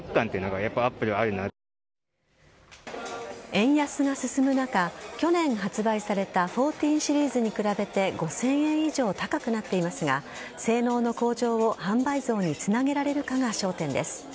円安が進む中去年発売された１４シリーズに比べて５０００円以上高くなっていますが性能の向上を販売増につなげられるかが焦点です。